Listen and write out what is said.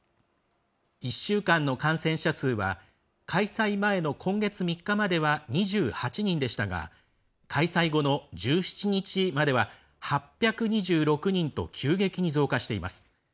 １週間の感染者数は開催前の今月３日までは２８人でしたが開催後の１７日までは８２６人と急激に増加しています。